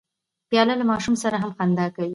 پیاله له ماشوم سره هم خندا کوي.